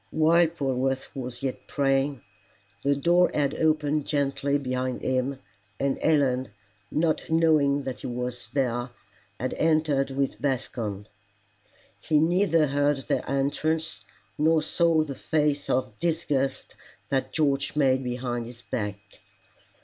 While Polwarth was yet praying, the door had opened gently behind him, and Helen, not knowing that he was there, had entered with Bascombe. He neither heard their entrance, nor saw the face of disgust that George made behind his back.